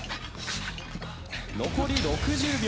残り６０秒。